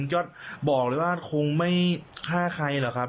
ก็บอกเลยว่าคงไม่ฆ่าใครหรอกครับ